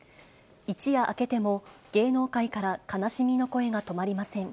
一夜明けても、芸能界から悲しみの声が止まりません。